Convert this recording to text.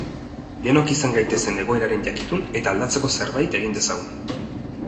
Denok izan gaitezen egoeraren jakitun eta aldatzeko zerbait egin dezagun.